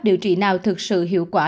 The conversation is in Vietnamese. điều trị nào thực sự hiệu quả